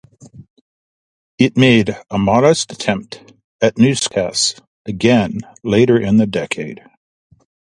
It made a modest attempt at newscasts again later in the decade.